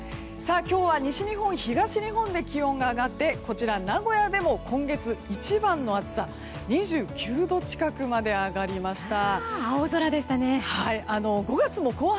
今日は西日本、東日本で気温が上がってこちら、名古屋でも今月一番の暑さ２９度近くまで上がりました。